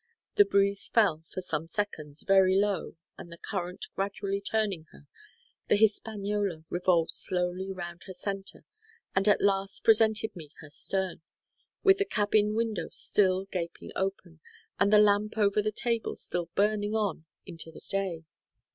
The breeze fell, for some seconds, very low, and the current gradually turning her, the Hispaniola revolved slowly round her centre, and at last presented me her stern, with the cabin window still gaping open, and the lamp over the table still burning on into the day.